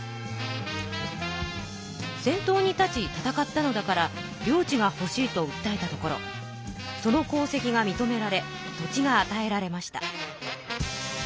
先頭に立ち戦ったのだから領地がほしいとうったえたところその功績がみとめられ土地があたえられました。